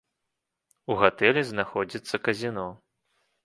У гатэлі знаходзіцца казіно.